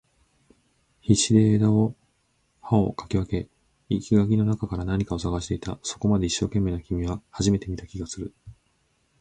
必死で枝を葉を掻き分け、生垣の中から何かを探していた。そこまで一生懸命な君は初めて見た気がする。